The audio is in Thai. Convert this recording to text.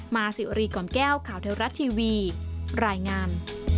สิวรีกล่อมแก้วข่าวเทวรัฐทีวีรายงาน